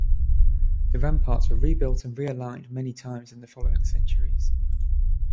The ramparts were rebuilt and re-aligned many times in the following centuries.